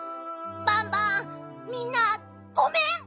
バンバンみんなごめん！